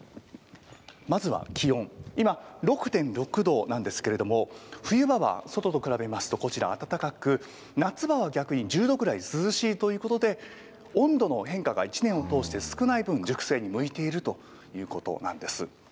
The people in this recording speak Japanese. まずは気温、今、６．６度なんですけれども、冬場は外と比べますとこちら暖かく、夏場は逆に１０度ぐらい涼しいということで、温度の変化が１年を通して少ない分、熟成に向いているということなんです。